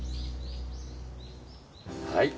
はい。